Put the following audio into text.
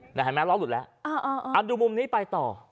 เห็นไหมล้อหลุดแล้วดูมุมนี้ไปต่อ